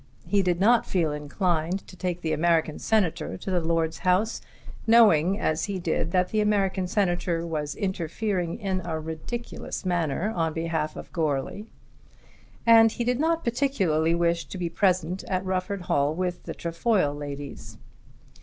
He did not feel inclined to take the American Senator to the lord's house, knowing as he did that the American Senator was interfering in a ridiculous manner on behalf of Goarly. And he did not particularly wish to be present at Rufford Hall with the Trefoil ladies.